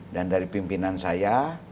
dan dari pimpinan saya